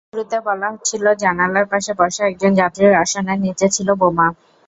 শুরুতে বলা হচ্ছিল, জানালার পাশে বসা একজন যাত্রীর আসনের নিচে ছিল বোমা।